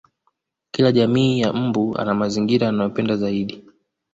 Kila jamii ya mbu ana mazingira anayoyapenda zaidi